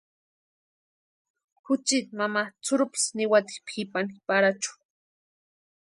Juchiti mama tsʼurupsi niwati pʼipani Parachu.